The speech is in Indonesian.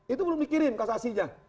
itu belum dikirim kasasinya